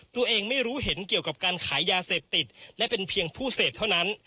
ตัวเองไม่รู้เห็นเกี่ยวกับการขายยาเสพติดและเป็นเพียงผู้เสพเท่านั้น